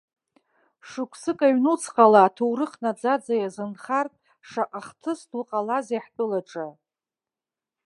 Шықәсык аҩнуҵҟала, аҭоурых наӡаӡа иазынхартә, шаҟа хҭыс ду ҟалазеи ҳтәылаҿы.